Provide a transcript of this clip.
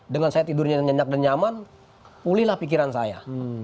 dengan saya tidurnya nyenyak dan nyaman pulihlah pikiran saya